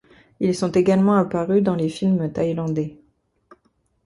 Ils sont également apparus dans les films thaïlandais.